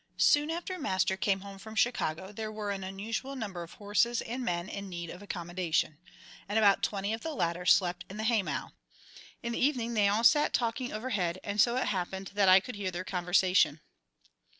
Soon after Master came home from Chicago there were an unusual number of horses and men in need of accommodation, and about twenty of the latter slept in the haymow. In the evening they all sat talking overhead, and it so happened that I could hear their conversation.